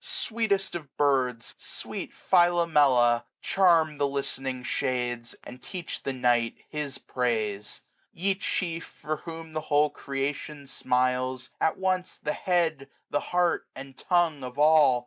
Sweetest of birds! sweet Philomela, charm The listening shades, and teach the night His praise. 8q Ye chief, for whom the whole creation smiles. At once the head, the. heart, and tongue of all.